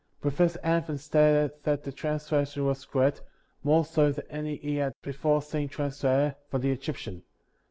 Professor Anthon stated that the translation was correct, more so than any he had before seen translated from the Eg}^tian.